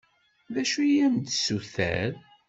D acu i am-d-tessuter?